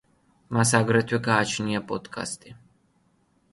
მას აგრეთვე გააჩნია პოდკასტი.